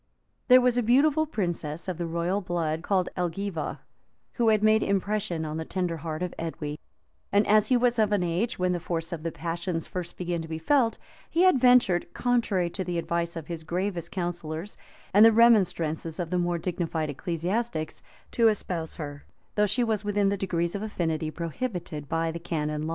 There was a beautiful princess of the royal blood, called Elgiva, who had made impression on the tender heart of Edwy; and as he was of an age when the force of the passions first begins to be felt, he had ventured, contrary to the advice of his gravest counsellors, and the remonstrances of the more dignified ecclesiastics,[] to espouse her; though she was within the degrees of affinity prohibited by the canon law.